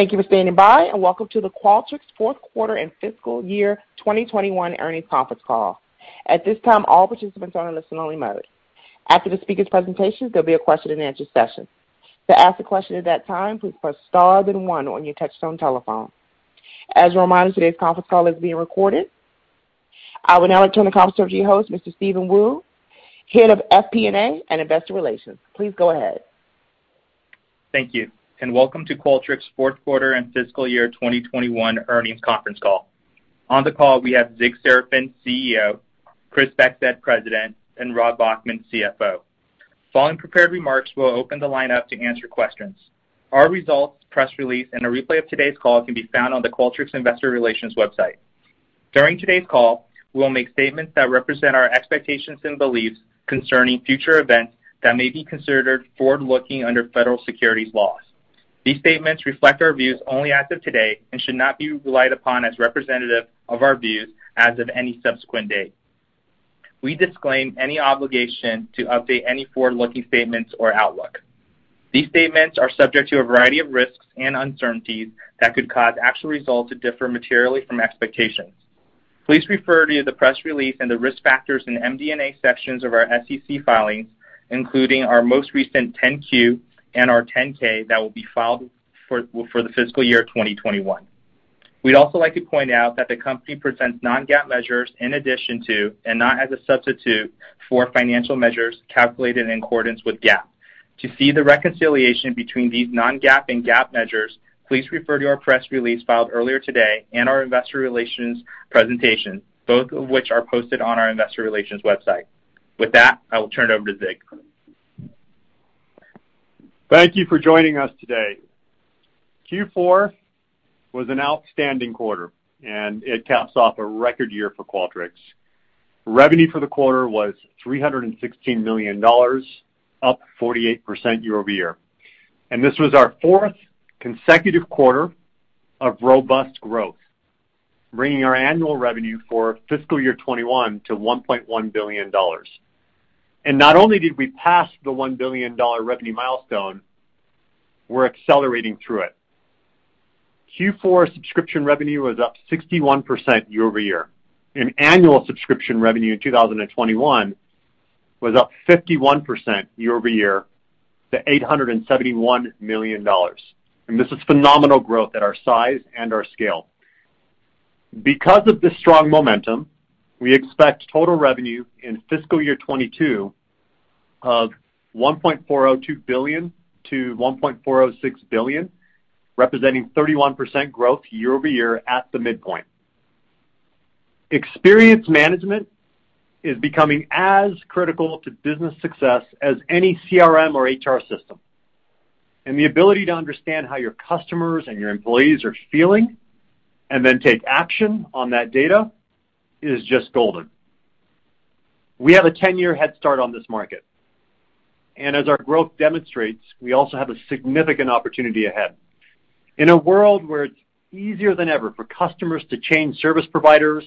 Thank you for standing by, and welcome to the Qualtrics fourth quarter and fiscal year 2021 earnings conference call. At this time, all participants are in listen-only mode. After the speakers' presentations, there'll be a question-and-answer session. To ask a question at that time, please press star then one on your touchtone telephone. As a reminder, today's conference call is being recorded. I will now turn the conference over to your host, Mr. Steven Wu, Head of FP&A and Investor Relations. Please go ahead. Thank you. Welcome to Qualtrics fourth quarter and fiscal year 2021 earnings conference call. On the call, we have Zig Serafin, CEO, Chris Beckstead, President, and Rob Bachman, CFO. Following prepared remarks, we'll open the line up to answer questions. Our results, press release, and a replay of today's call can be found on the Qualtrics Investor Relations website. During today's call, we will make statements that represent our expectations and beliefs concerning future events that may be considered forward-looking under federal securities laws. These statements reflect our views only as of today and should not be relied upon as representative of our views as of any subsequent date. We disclaim any obligation to update any forward-looking statements or outlook. These statements are subject to a variety of risks and uncertainties that could cause actual results to differ materially from expectations. Please refer to the press release and the Risk Factors and MD&A sections of our SEC filings, including our most recent 10-Q and our 10-K that will be filed for the fiscal year 2021. We'd also like to point out that the company presents non-GAAP measures in addition to, and not as a substitute for, financial measures calculated in accordance with GAAP. To see the reconciliation between these non-GAAP and GAAP measures, please refer to our press release filed earlier today and our investor relations presentation, both of which are posted on our investor relations website. With that, I will turn it over to Zig. Thank you for joining us today. Q4 was an outstanding quarter, and it caps off a record year for Qualtrics. Revenue for the quarter was $316 million, up 48% year-over-year. This was our fourth consecutive quarter of robust growth, bringing our annual revenue for fiscal year 2021 to $1.1 billion. Not only did we pass the $1 billion revenue milestone, we're accelerating through it. Q4 subscription revenue was up 61% year-over-year. Annual subscription revenue in 2021 was up 51% year-over-year to $871 million. This is phenomenal growth at our size and our scale. Because of this strong momentum, we expect total revenue in FY 2022 of $1.402 billion-$1.406 billion, representing 31% growth year-over-year at the midpoint. Experience management is becoming as critical to business success as any CRM or HR system, and the ability to understand how your customers and your employees are feeling, and then take action on that data, is just golden. We have a 10-year head start on this market, and as our growth demonstrates, we also have a significant opportunity ahead. In a world where it's easier than ever for customers to change service providers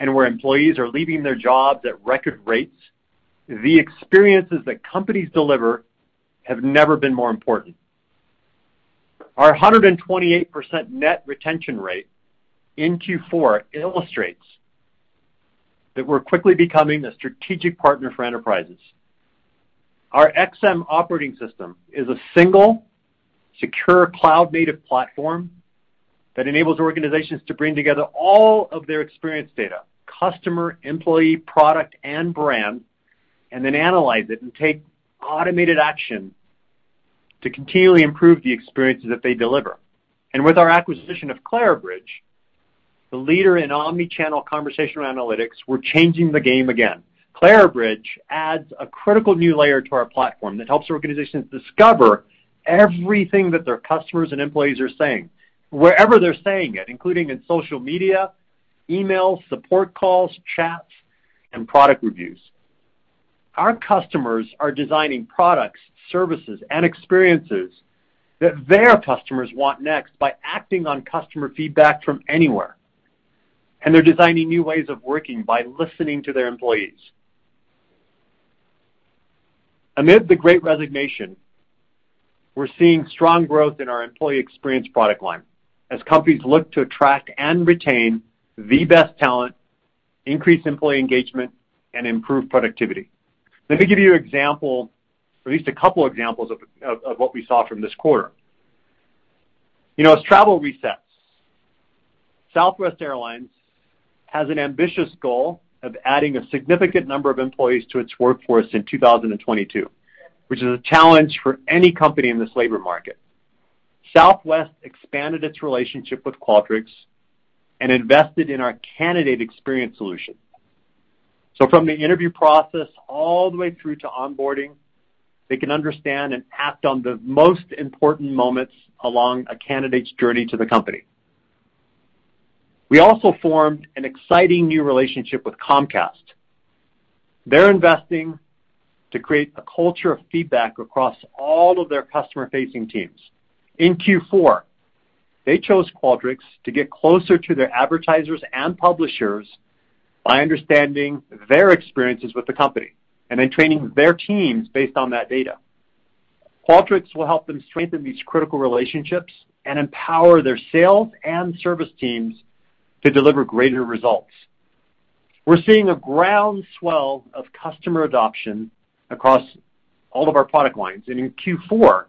and where employees are leaving their jobs at record rates, the experiences that companies deliver have never been more important. Our 128% net retention rate in Q4 illustrates that we're quickly becoming a strategic partner for enterprises. Our XM Operating System is a single, secure cloud-native platform that enables organizations to bring together all of their experience data, customer, employee, product, and brand, and then analyze it and take automated action to continually improve the experiences that they deliver. With our acquisition of Clarabridge, the leader in omni-channel conversational analytics, we're changing the game again. Clarabridge adds a critical new layer to our platform that helps organizations discover everything that their customers and employees are saying, wherever they're saying it, including in social media, email, support calls, chats, and product reviews. Our customers are designing products, services, and experiences that their customers want next by acting on customer feedback from anywhere, and they're designing new ways of working by listening to their employees. Amid the Great Resignation, we're seeing strong growth in our employee experience product line as companies look to attract and retain the best talent, increase employee engagement, and improve productivity. Let me give you an example, or at least a couple examples of what we saw from this quarter. You know, as travel resets, Southwest Airlines has an ambitious goal of adding a significant number of employees to its workforce in 2022, which is a challenge for any company in this labor market. Southwest expanded its relationship with Qualtrics and invested in our candidate experience solution. From the interview process all the way through to onboarding, they can understand and act on the most important moments along a candidate's journey to the company. We also formed an exciting new relationship with Comcast. They're investing to create a culture of feedback across all of their customer-facing teams. In Q4, they chose Qualtrics to get closer to their advertisers and publishers by understanding their experiences with the company and then training their teams based on that data. Qualtrics will help them strengthen these critical relationships and empower their sales and service teams to deliver greater results. We're seeing a groundswell of customer adoption across all of our product lines, and in Q4,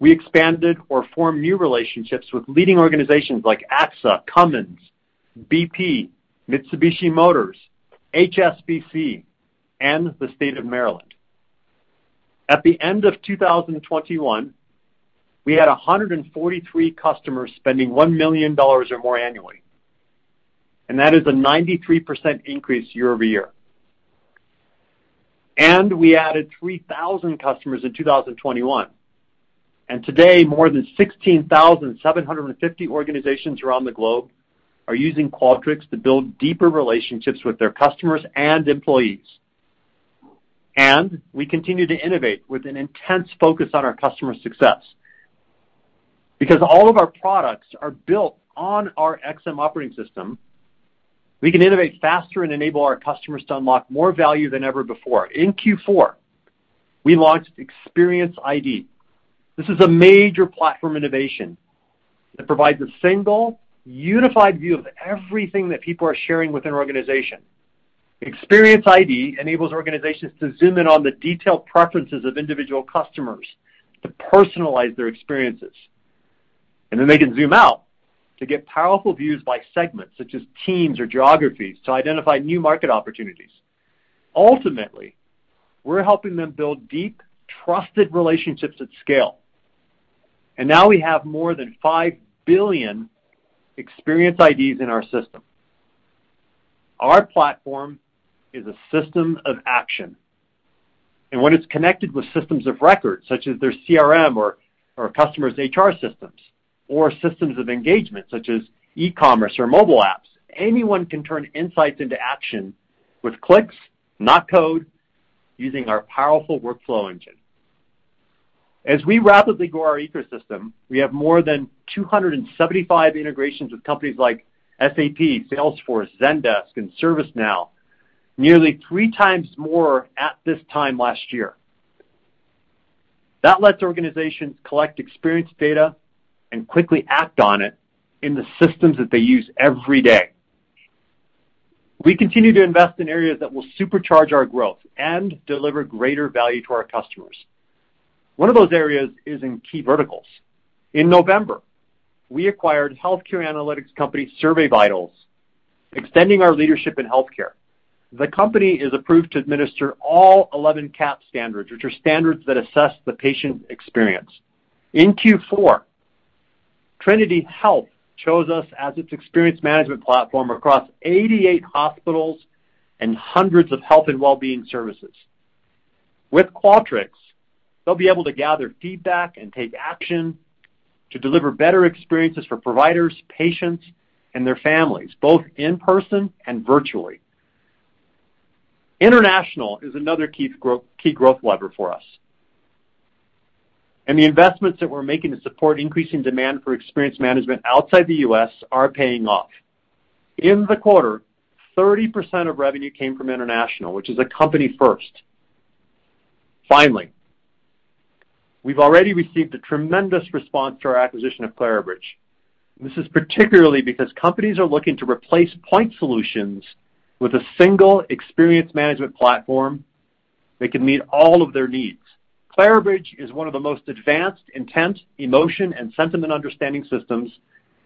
we expanded or formed new relationships with leading organizations like AXA, Cummins, BP, Mitsubishi Motors, HSBC, and the State of Maryland. At the end of 2021, we had 143 customers spending $1 million or more annually, and that is a 93% increase year-over-year. We added 3,000 customers in 2021. Today, more than 16,750 organizations around the globe are using Qualtrics to build deeper relationships with their customers and employees. We continue to innovate with an intense focus on our customer success. Because all of our products are built on our XM Operating System, we can innovate faster and enable our customers to unlock more value than ever before. In Q4, we launched Experience ID. This is a major platform innovation that provides a single, unified view of everything that people are sharing with an organization. Experience ID enables organizations to zoom in on the detailed preferences of individual customers to personalize their experiences, and then they can zoom out to get powerful views by segments such as teams or geographies to identify new market opportunities. Ultimately, we're helping them build deep, trusted relationships at scale. Now we have more than 5 billion experience IDs in our system. Our platform is a system of action, and when it's connected with systems of records such as their CRM or customers' HR systems or systems of engagement such as e-commerce or mobile apps, anyone can turn insights into action with clicks, not code, using our powerful workflow engine. As we rapidly grow our ecosystem, we have more than 275 integrations with companies like SAP, Salesforce, Zendesk, and ServiceNow, nearly 3x more at this time last year. That lets organizations collect experience data and quickly act on it in the systems that they use every day. We continue to invest in areas that will supercharge our growth and deliver greater value to our customers. One of those areas is in key verticals. In November, we acquired healthcare analytics company SurveyVitals, extending our leadership in healthcare. The company is approved to administer all 11 CAHPS standards, which are standards that assess the patient experience. In Q4, Trinity Health chose us as its experience management platform across 88 hospitals and hundreds of health and well-being services. With Qualtrics, they'll be able to gather feedback and take action to deliver better experiences for providers, patients, and their families, both in person and virtually. International is another key growth lever for us. The investments that we're making to support increasing demand for experience management outside the U.S. are paying off. In the quarter, 30% of revenue came from international, which is a company first. Finally, we've already received a tremendous response to our acquisition of Clarabridge, and this is particularly because companies are looking to replace point solutions with a single experience management platform that can meet all of their needs. Clarabridge is one of the most advanced intent, emotion, and sentiment understanding systems,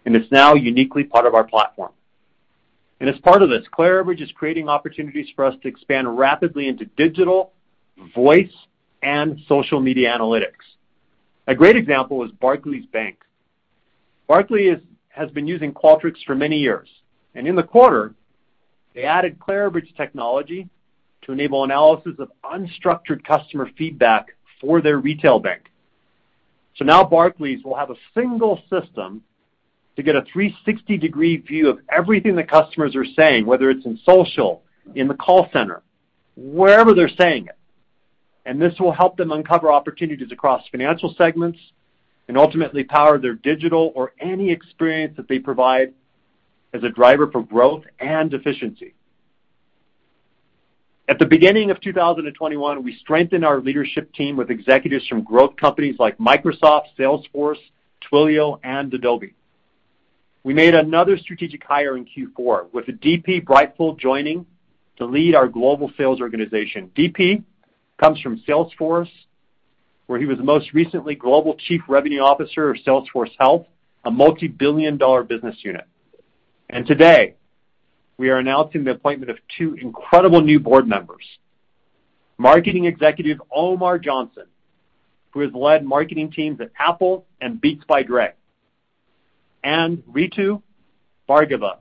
and it's now uniquely part of our platform. As part of this, Clarabridge is creating opportunities for us to expand rapidly into digital, voice, and social media analytics. A great example is Barclays Bank. Barclays has been using Qualtrics for many years, and in the quarter, they added Clarabridge technology to enable analysis of unstructured customer feedback for their retail bank. Now Barclays will have a single system to get a 360-degree view of everything that customers are saying, whether it's in social, in the call center, wherever they're saying it. This will help them uncover opportunities across financial segments and ultimately power their digital or any experience that they provide as a driver for growth and efficiency. At the beginning of 2021, we strengthened our leadership team with executives from growth companies like Microsoft, Salesforce, Twilio, and Adobe. We made another strategic hire in Q4, with DB Breitfeld joining to lead our global sales organization. DB comes from Salesforce, where he was most recently Global Chief Revenue Officer of Salesforce Health, a multibillion-dollar business unit. Today, we are announcing the appointment of two incredible new board members, marketing executive Omar Johnson, who has led marketing teams at Apple and Beats by Dre, and Ritu Bhargava,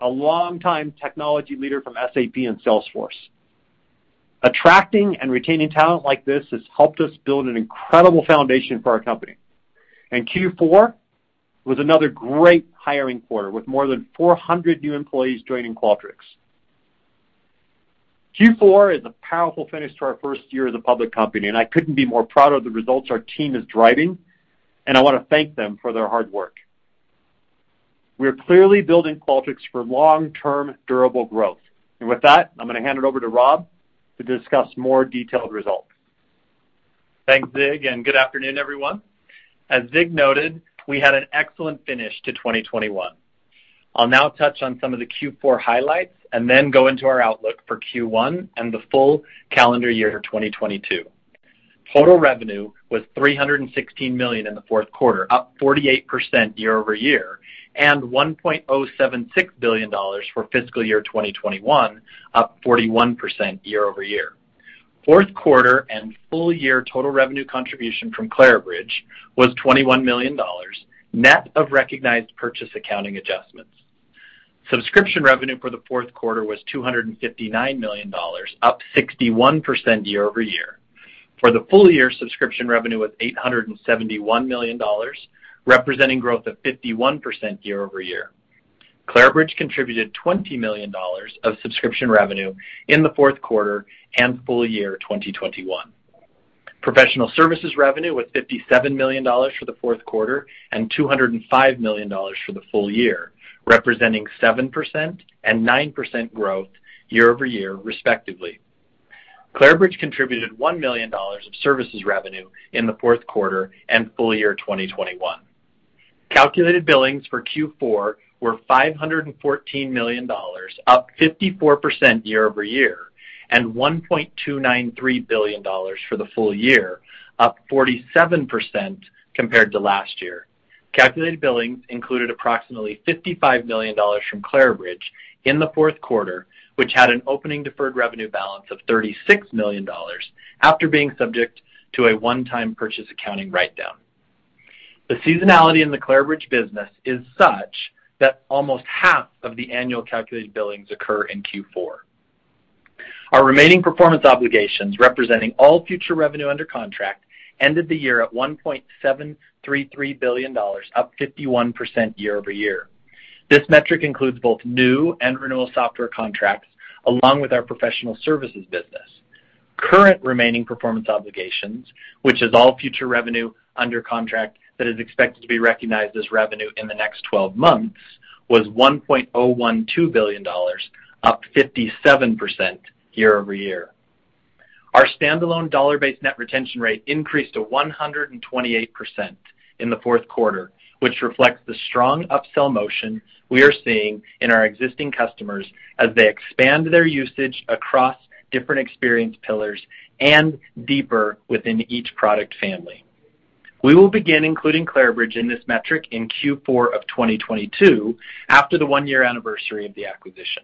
a longtime technology leader from SAP and Salesforce. Attracting and retaining talent like this has helped us build an incredible foundation for our company. Q4 was another great hiring quarter, with more than 400 new employees joining Qualtrics. Q4 is a powerful finish to our first year as a public company, and I couldn't be more proud of the results our team is driving, and I wanna thank them for their hard work. We are clearly building Qualtrics for long-term durable growth. With that, I'm gonna hand it over to Rob to discuss more detailed results. Thanks, Zig, and good afternoon, everyone. As Zig noted, we had an excellent finish to 2021. I'll now touch on some of the Q4 highlights and then go into our outlook for Q1 and the full calendar year 2022. Total revenue was $316 million in the fourth quarter, up 48% year-over-year, and $1.076 billion for fiscal year 2021, up 41% year-over-year. Fourth quarter and full year total revenue contribution from Clarabridge was $21 million, net of recognized purchase accounting adjustments. Subscription revenue for the fourth quarter was $259 million, up 61% year-over-year. For the full year, subscription revenue was $871 million, representing growth of 51% year-over-year. Clarabridge contributed $20 million of subscription revenue in the fourth quarter and full year 2021. Professional services revenue was $57 million for the fourth quarter and $205 million for the full year, representing 7% and 9% growth year-over-year, respectively. Clarabridge contributed $1 million of services revenue in the fourth quarter and full year 2021. Calculated billings for Q4 were $514 million, up 54% year-over-year, and $1.293 billion for the full year, up 47% compared to last year. Calculated billings included approximately $55 million from Clarabridge in the fourth quarter, which had an opening deferred revenue balance of $36 million after being subject to a one-time purchase price accounting write-down. The seasonality in the Clarabridge business is such that almost half of the annual calculated billings occur in Q4. Our remaining performance obligations, representing all future revenue under contract, ended the year at $1.733 billion, up 51% year-over-year. This metric includes both new and renewal software contracts, along with our professional services business. Current remaining performance obligations, which is all future revenue under contract that is expected to be recognized as revenue in the next twelve months, was $1.012 billion, up 57% year-over-year. Our standalone dollar-based net retention rate increased to 128% in the fourth quarter, which reflects the strong upsell motion we are seeing in our existing customers as they expand their usage across different experience pillars and deeper within each product family. We will begin including Clarabridge in this metric in Q4 of 2022 after the one-year anniversary of the acquisition.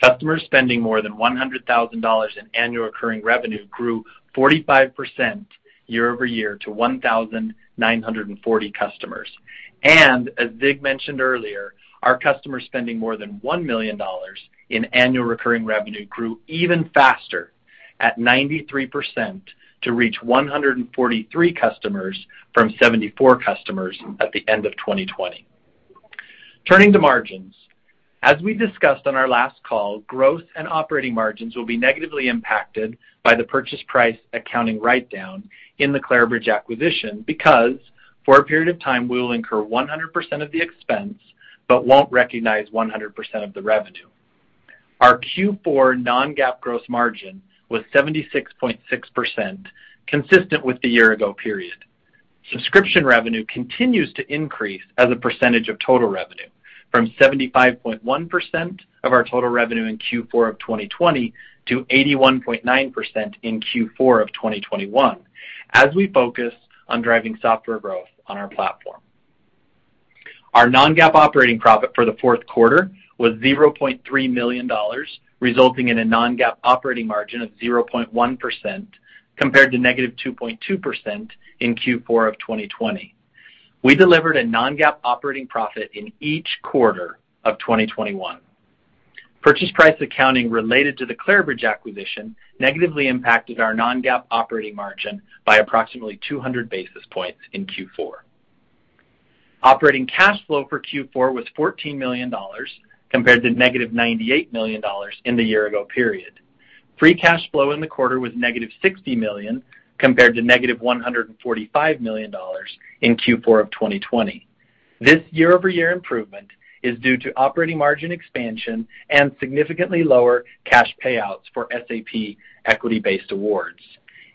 Customers spending more than $100,000 in annual recurring revenue grew 45% year-over-year to 1,940 customers. As Zig mentioned earlier, our customers spending more than $1 million in annual recurring revenue grew even faster at 93% to reach 143 customers from 74 customers at the end of 2020. Turning to margins. As we discussed on our last call, growth and operating margins will be negatively impacted by the purchase price accounting write-down in the Clarabridge acquisition, because for a period of time, we will incur 100% of the expense but won't recognize 100% of the revenue. Our Q4 non-GAAP gross margin was 76.6%, consistent with the year ago period. Subscription revenue continues to increase as a percentage of total revenue, from 75.1% of our total revenue in Q4 of 2020 to 81.9% in Q4 of 2021, as we focus on driving software growth on our platform. Our non-GAAP operating profit for the fourth quarter was $0.3 million, resulting in a non-GAAP operating margin of 0.1% compared to -2.2% in Q4 of 2020. We delivered a non-GAAP operating profit in each quarter of 2021. Purchase price accounting related to the Clarabridge acquisition negatively impacted our non-GAAP operating margin by approximately 200 basis points in Q4. Operating cash flow for Q4 was $14 million compared to -$98 million in the year ago period. Free cash flow in the quarter was $-60 million compared to $-145 million in Q4 of 2020. This year-over-year improvement is due to operating margin expansion and significantly lower cash payouts for SAP equity-based awards.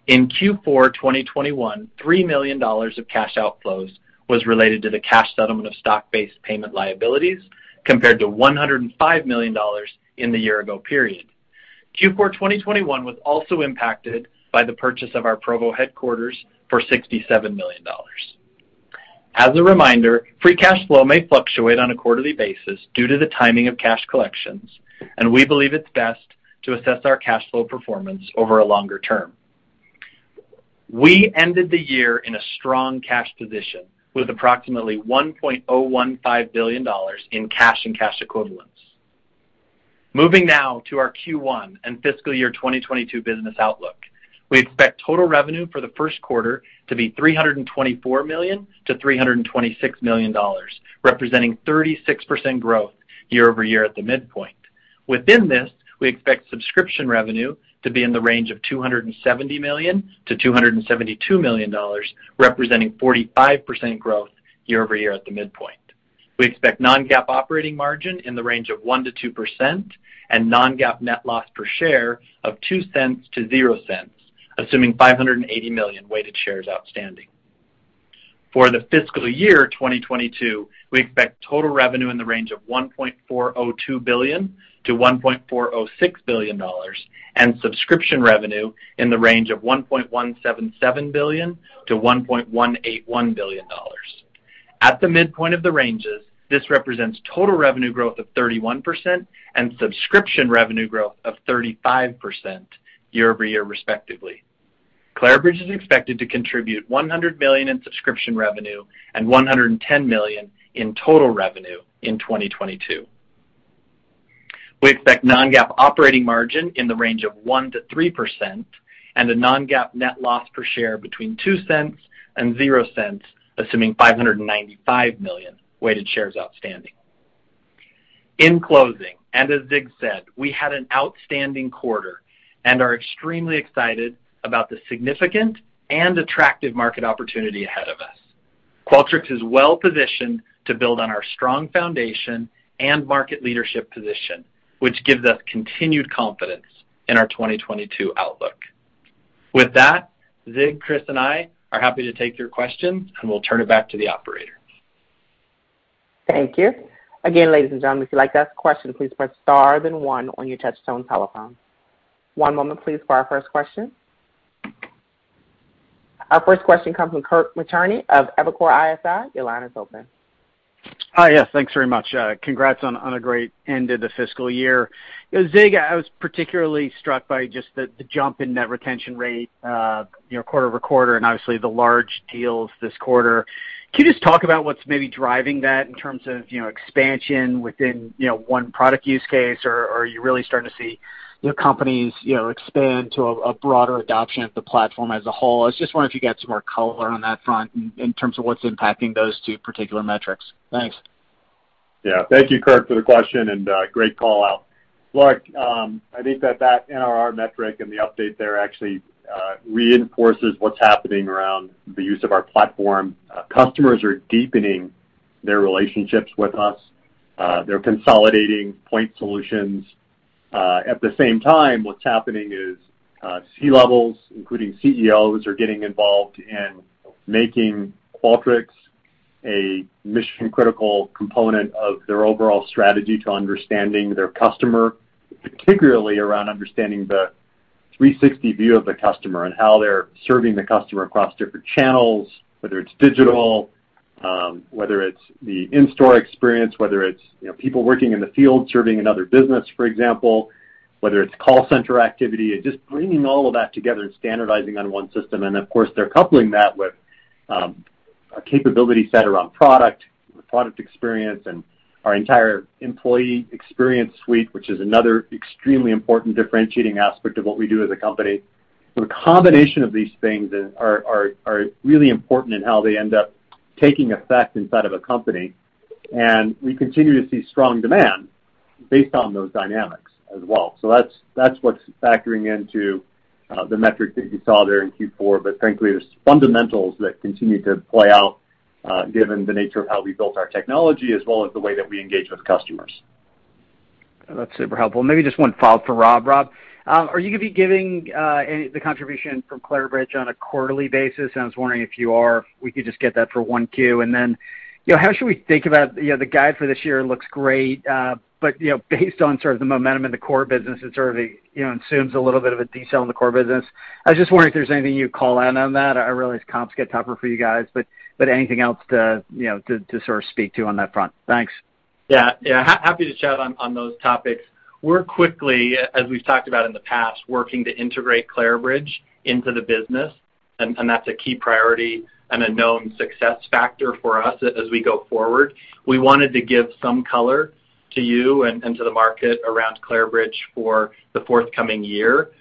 In Q4 2021, $3 million of cash outflows was related to the cash settlement of stock-based payment liabilities, compared to $105 million in the year-ago period. Q4 2021 was also impacted by the purchase of our Provo headquarters for $67 million. As a reminder, free cash flow may fluctuate on a quarterly basis due to the timing of cash collections, and we believe it's best to assess our cash flow performance over a longer term. We ended the year in a strong cash position with approximately $1.015 billion in cash and cash equivalents. Moving now to our Q1 and fiscal year 2022 business outlook. We expect total revenue for the first quarter to be $324 million-$326 million, representing 36% growth year-over-year at the midpoint. Within this, we expect subscription revenue to be in the range of $270 million-$272 million, representing 45% growth year-over-year at the midpoint. We expect non-GAAP operating margin in the range of 1%-2% and non-GAAP net loss per share of $0.02-$0.00, assuming 580 million weighted shares outstanding. For the fiscal year 2022, we expect total revenue in the range of $1.402 billion-$1.406 billion, and subscription revenue in the range of $1.177 billion-$1.181 billion. At the midpoint of the ranges, this represents total revenue growth of 31% and subscription revenue growth of 35% year-over-year, respectively. Clarabridge is expected to contribute $100 million in subscription revenue and $110 million in total revenue in 2022. We expect non-GAAP operating margin in the range of 1%-3% and a non-GAAP net loss per share between $0.02 and $0.00, assuming 595 million weighted shares outstanding. In closing, and as Zig said, we had an outstanding quarter and are extremely excited about the significant and attractive market opportunity ahead of us. Qualtrics is well-positioned to build on our strong foundation and market leadership position, which gives us continued confidence in our 2022 outlook. With that, Zig, Chris, and I are happy to take your questions, and we'll turn it back to the operator. Thank you. Again, ladies and gentlemen, if you'd like to ask a question, please press star then one on your touchtone telephone. One moment, please, for our first question. Our first question comes from Kirk Materne of Evercore ISI. Your line is open. Hi. Yes, thanks very much. Congrats on a great end of the fiscal year. Zig, I was particularly struck by just the jump in net retention rate, you know, quarter-over-quarter, and obviously the large deals this quarter. Can you just talk about what's maybe driving that in terms of, you know, expansion within, you know, one product use case? Or are you really starting to see, you know, companies, you know, expand to a broader adoption of the platform as a whole? I was just wondering if you could add some more color on that front in terms of what's impacting those two particular metrics. Thanks. Yeah. Thank you, Kirk, for the question, and great call-out. Look, I think that NRR metric and the update there actually reinforces what's happening around the use of our platform. Customers are deepening their relationships with us. They're consolidating point solutions. At the same time, what's happening is C-levels, including CEOs, are getting involved in making Qualtrics a mission-critical component of their overall strategy to understanding their customer, particularly around understanding the 360 view of the customer and how they're serving the customer across different channels, whether it's digital, whether it's the in-store experience, whether it's, you know, people working in the field serving another business, for example, whether it's call center activity, and just bringing all of that together and standardizing on one system. Of course, they're coupling that with a capability set around product experience and our entire employee experience suite, which is another extremely important differentiating aspect of what we do as a company. The combination of these things is really important in how they end up taking effect inside of a company, and we continue to see strong demand based on those dynamics as well. That's what's factoring into the metrics that you saw there in Q4. Frankly, there's fundamentals that continue to play out given the nature of how we built our technology as well as the way that we engage with customers. That's super helpful. Maybe just one follow-up for Rob. Rob, are you gonna be giving any of the contribution from Clarabridge on a quarterly basis? I was wondering if you are, if we could just get that for one Q. You know, how should we think about, you know, the guide for this year looks great, but you know, based on sort of the momentum in the core business, it sort of, you know, assumes a little bit of a deceleration in the core business. I was just wondering if there's anything you'd call out on that. I realize comps get tougher for you guys, but anything else to, you know, to sort of speak to on that front? Thanks. Yeah. Yeah. Happy to chat on those topics. We're quickly, as we've talked about in the past, working to integrate Clarabridge into the business, and that's a key priority and a known success factor for us as we go forward. We wanted to give some color to you and to the market around Clarabridge for the forthcoming year.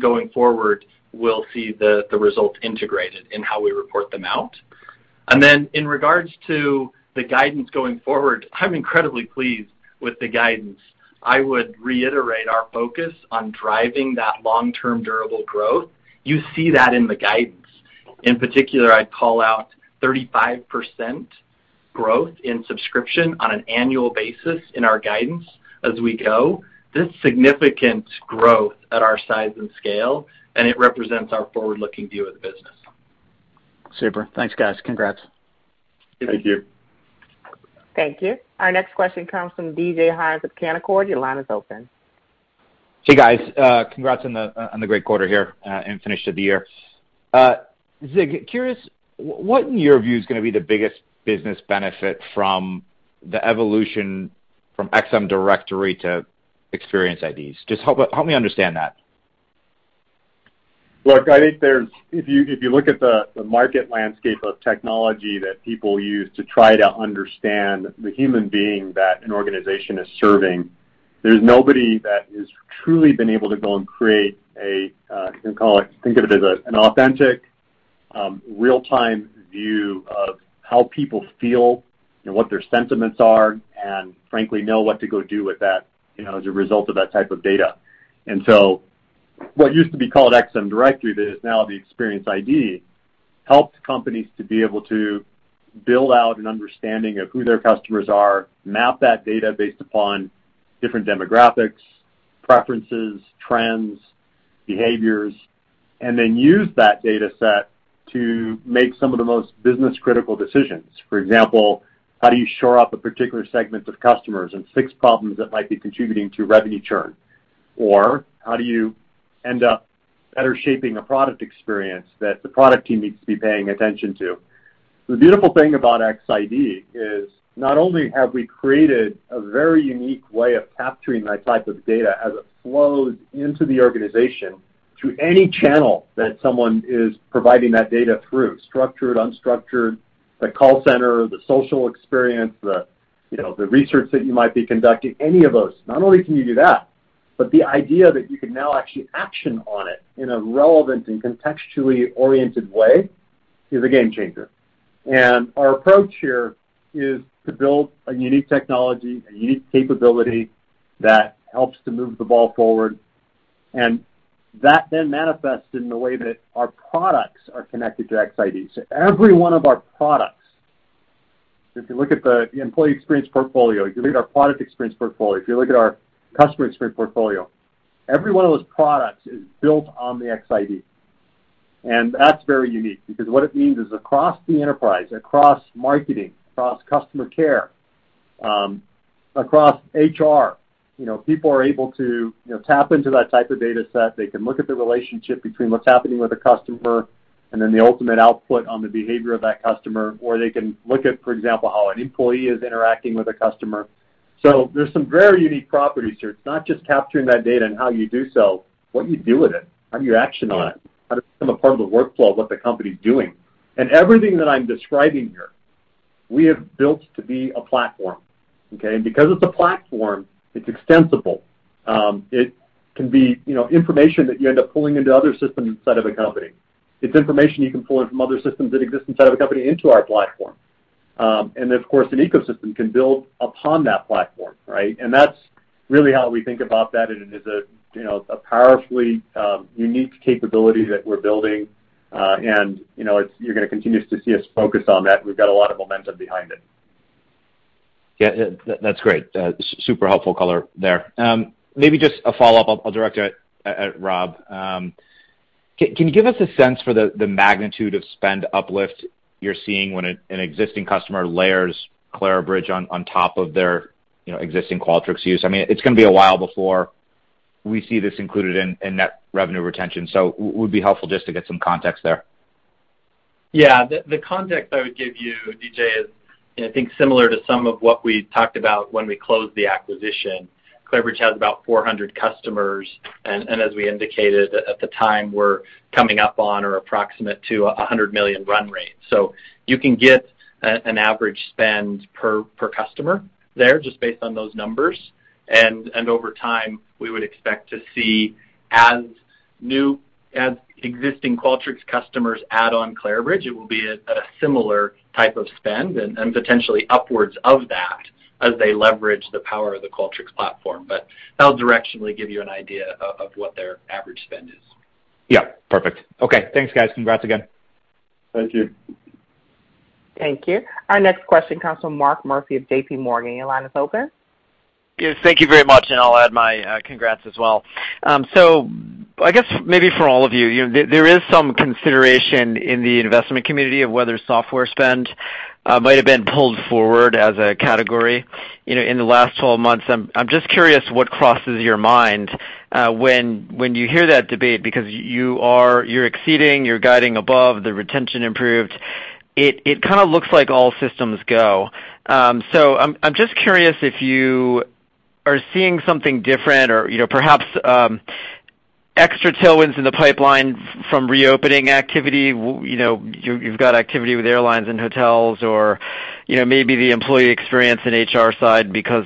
Going forward, we'll see the results integrated in how we report them out. In regards to the guidance going forward, I'm incredibly pleased with the guidance. I would reiterate our focus on driving that long-term durable growth. You see that in the guidance. In particular, I'd call out 35% growth in subscription on an annual basis in our guidance as we go. This is significant growth at our size and scale, and it represents our forward-looking view of the business. Super. Thanks, guys. Congrats. Thank you. Thank you. Our next question comes from DJ Hynes with Canaccord. Your line is open. Hey, guys. Congrats on the great quarter here and finish to the year. Zig, I'm curious, what in your view is gonna be the biggest business benefit from the evolution from XM Directory to Experience IDs? Just help me understand that. Look, I think there's if you look at the market landscape of technology that people use to try to understand the human being that an organization is serving. There's nobody that has truly been able to go and create a you can call it think of it as an authentic real-time view of how people feel and what their sentiments are, and frankly know what to go do with that, you know, as a result of that type of data. What used to be called XM Directory, that is now the Experience ID, helped companies to be able to build out an understanding of who their customers are, map that data based upon different demographics, preferences, trends, behaviors, and then use that data set to make some of the most business-critical decisions. For example, how do you shore up a particular segment of customers and fix problems that might be contributing to revenue churn? Or how do you end up better shaping a product experience that the product team needs to be paying attention to? The beautiful thing about XiD is not only have we created a very unique way of capturing that type of data as it flows into the organization through any channel that someone is providing that data through, structured, unstructured, the call center, the social experience, the, you know, the research that you might be conducting, any of those, not only can you do that, but the idea that you can now actually action on it in a relevant and contextually oriented way is a game changer. Our approach here is to build a unique technology, a unique capability that helps to move the ball forward. That then manifests in the way that our products are connected to XiD. So every one of our products, if you look at the employee experience portfolio, if you look at our product experience portfolio, if you look at our customer experience portfolio, every one of those products is built on the XiD. That's very unique because what it means is across the enterprise, across marketing, across customer care, across HR, you know, people are able to, you know, tap into that type of data set. They can look at the relationship between what's happening with a customer and then the ultimate output on the behavior of that customer. Or they can look at, for example, how an employee is interacting with a customer. So there's some very unique properties here. It's not just capturing that data and how you do so, what you do with it, how do you action on it, how to become a part of the workflow of what the company is doing. Everything that I'm describing here, we have built to be a platform, okay? Because it's a platform, it's extensible. It can be, you know, information that you end up pulling into other systems inside of a company. It's information you can pull in from other systems that exist inside of a company into our platform. Of course, an ecosystem can build upon that platform, right? That's really how we think about that. It is a, you know, a powerfully unique capability that we're building. You know, you're gonna continue to see us focus on that. We've got a lot of momentum behind it. That's great. Super helpful color there. Maybe just a follow-up I'll direct at Rob. Can you give us a sense for the magnitude of spend uplift you're seeing when an existing customer layers Clarabridge on top of their, you know, existing Qualtrics use? I mean, it's gonna be a while before we see this included in net revenue retention. Would be helpful just to get some context there. Yeah. The context I would give you, DJ, is I think similar to some of what we talked about when we closed the acquisition. Clarabridge has about 400 customers, and as we indicated at the time, we're coming up on or approximate to $100 million run rate. You can get an average spend per customer there just based on those numbers. Over time, we would expect to see as existing Qualtrics customers add on Clarabridge, it will be a similar type of spend and potentially upwards of that as they leverage the power of the Qualtrics platform. That'll directionally give you an idea of what their average spend is. Yeah. Perfect. Okay. Thanks, guys. Congrats again. Thank you. Thank you. Our next question comes from Mark Murphy of JPMorgan. Your line is open. Yes. Thank you very much, and I'll add my congrats as well. I guess maybe for all of you know, there is some consideration in the investment community of whether software spend might have been pulled forward as a category, you know, in the last 12 months. I'm just curious what crosses your mind when you hear that debate because you're exceeding, you're guiding above, the retention improved. It kinda looks like all systems go. I'm just curious if you are seeing something different or, you know, perhaps extra tailwinds in the pipeline from reopening activity. You know, you've got activity with airlines and hotels or, you know, maybe the employee experience in HR side because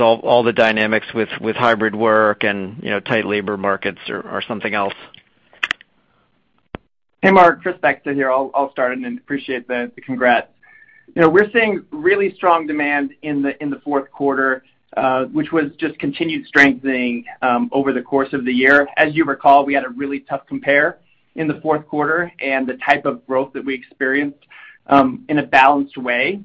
all the dynamics with hybrid work and, you know, tight labor markets or something else. Hey, Mark. Chris Beckstead here. I'll start and then appreciate the congrats. You know, we're seeing really strong demand in the fourth quarter, which was just continued strengthening over the course of the year. As you recall, we had a really tough compare in the fourth quarter, and the type of growth that we experienced in a balanced way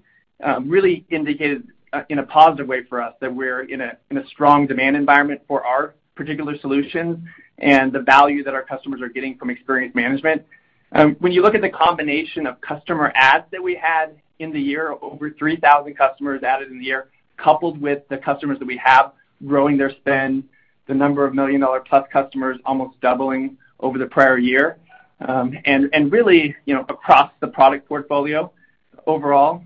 really indicated in a positive way for us that we're in a strong demand environment for our particular solutions and the value that our customers are getting from experience management. When you look at the combination of customer adds that we had in the year, over 3,000 customers added in the year, coupled with the customers that we have growing their spend, the number of million-dollar-plus customers almost doubling over the prior year. Really, you know, across the product portfolio overall,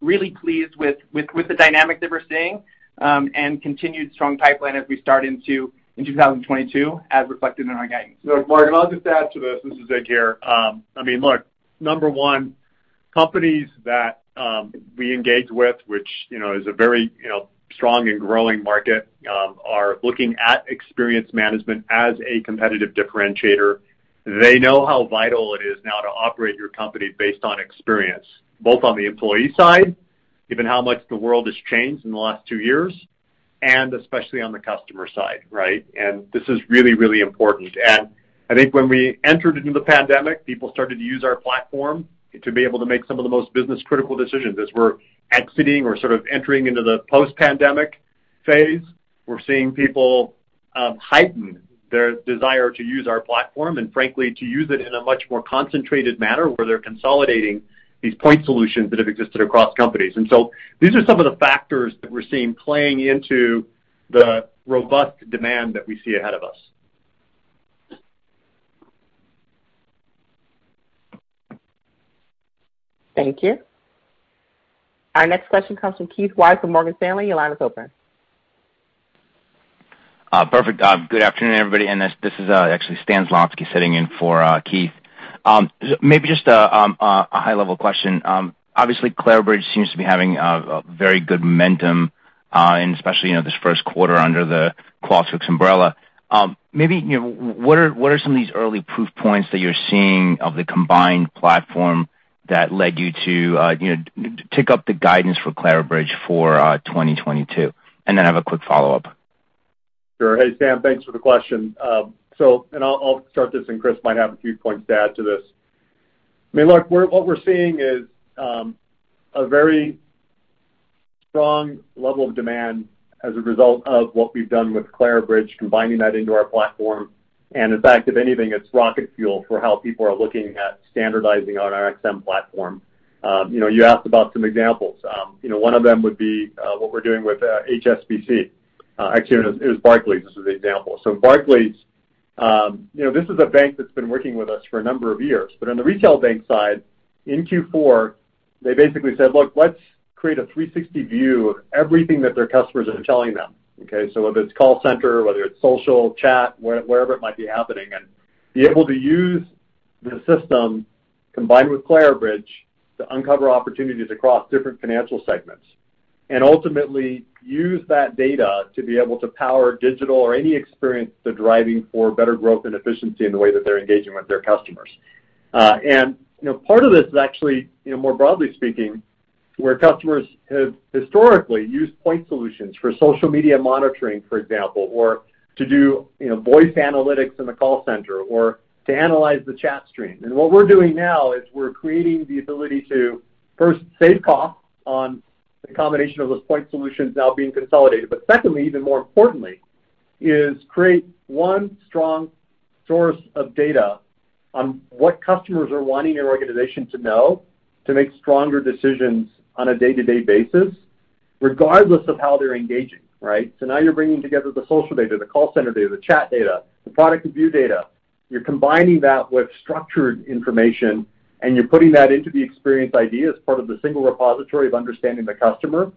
really pleased with the dynamic that we're seeing and continued strong pipeline as we start into 2022 as reflected in our guidance. Mark, and I'll just add to this. This is Zig here. I mean, look, number one, companies that we engage with, which, you know, is a very, you know, strong and growing market, are looking at experience management as a competitive differentiator. They know how vital it is now to operate your company based on experience, both on the employee side, given how much the world has changed in the last two years, and especially on the customer side, right? This is really, really important. I think when we entered into the pandemic, people started to use our platform to be able to make some of the most business-critical decisions. As we're exiting or sort of entering into the post-pandemic phase, we're seeing people heighten their desire to use our platform and frankly, to use it in a much more concentrated manner where they're consolidating these point solutions that have existed across companies. These are some of the factors that we're seeing playing into the robust demand that we see ahead of us. Thank you. Our next question comes from Keith Weiss from Morgan Stanley. Your line is open. Perfect. Good afternoon, everybody. This is actually Stan Zlotsky sitting in for Keith. Maybe just a high-level question. Obviously, Clarabridge seems to be having a very good momentum, and especially, you know, this first quarter under the Qualtrics umbrella. Maybe, you know, what are some of these early proof points that you're seeing of the combined platform that led you to, you know, tick up the guidance for Clarabridge for 2022? I have a quick follow-up. Sure. Hey, Stan, thanks for the question. I'll start this, and Chris might have a few points to add to this. I mean, look, we're seeing a very strong level of demand as a result of what we've done with Clarabridge, combining that into our platform. In fact, if anything, it's rocket fuel for how people are looking at standardizing on our XM platform. You know, you asked about some examples. You know, one of them would be what we're doing with HSBC. Actually it was Barclays. This is the example. Barclays, you know, this is a bank that's been working with us for a number of years. On the retail bank side, in Q4, they basically said, "Look, let's create a 360 view of everything that their customers are telling them," okay? Whether it's call center, whether it's social, chat, wherever it might be happening, and be able to use the system combined with Clarabridge to uncover opportunities across different financial segments, and ultimately use that data to be able to power digital or any experience they're driving for better growth and efficiency in the way that they're engaging with their customers. You know, part of this is actually, you know, more broadly-speaking, where customers have historically used point solutions for social media monitoring, for example, or to do, you know, voice analytics in the call center or to analyze the chat stream. What we're doing now is we're creating the ability to, first, save costs on the combination of those point solutions now being consolidated. Secondly, even more importantly, is create one strong source of data on what customers are wanting your organization to know to make stronger decisions on a day-to-day basis, regardless of how they're engaging, right? Now you're bringing together the social data, the call center data, the chat data, the product review data. You're combining that with structured information, and you're putting that into the Experience ID as part of the single repository of understanding the customer.